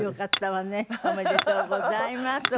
おめでとうございます本当に。